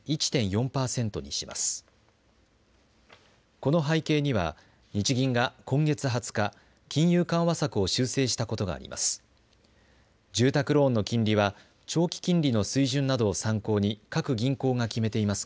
この背景には日銀が今月２０日金融緩和策を修正したことがあります。